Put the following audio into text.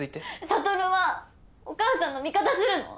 悟はお母さんの味方するの？